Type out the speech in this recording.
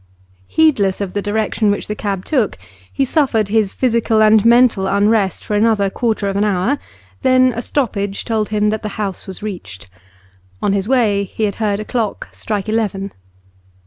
Heedless of the direction which the cab took, he suffered his physical and mental unrest for another quarter of an hour, then a stoppage told him that the house was reached. On his way he had heard a clock strike eleven.